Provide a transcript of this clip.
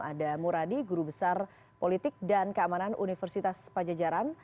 ada muradi guru besar politik dan keamanan universitas pajajaran